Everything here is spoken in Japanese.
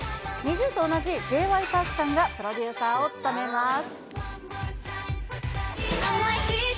ＮｉｚｉＵと同じＪ．Ｙ．Ｐａｒｋさんがプロデューサーを務めます。